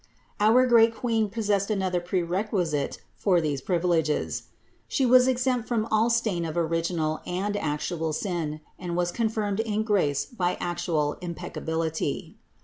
Our great Queen possessed another prerequisite for these privileges: She was exempt from all stain of original and actual sin and was confirmed in grace by actual impeccability.